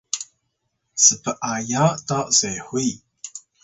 sp’aya ta sehuy